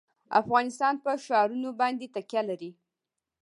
افغانستان په ښارونه باندې تکیه لري.